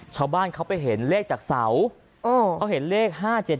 ชาวบ้านเขาไปเห็นเลขจากเสาเขาเห็นเลข๕๗๗